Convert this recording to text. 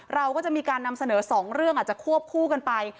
เราก็จะมีการนำเสนอ๒เรื่องอาจจะควบคู่กันไป